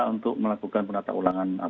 untuk melakukan penata ulangan